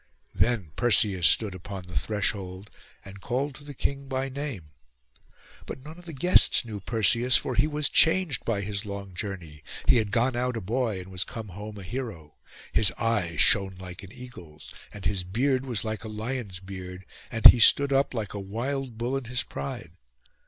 Then Perseus stood upon the threshold, and called to the king by name. But none of the guests knew Perseus, for he was changed by his long journey. He had gone out a boy, and he was come home a hero; his eye shone like an eagle's, and his beard was like a lion's beard, and he stood up like a wild bull in his pride.